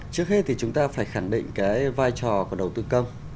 trước hết thì chúng ta phải khẳng định cái vai trò của đầu tư công